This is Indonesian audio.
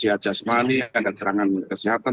siat jasmani dan terangan kesehatan